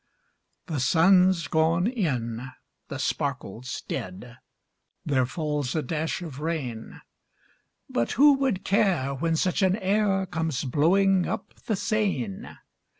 The sun's gone in, the sparkle's dead, There falls a dash of rain, But who would care when such an air Comes blowing up the Seine?